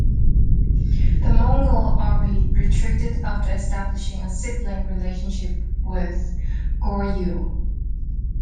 The Mongol army retreated after establishing a "sibling" relationship with Goryeo.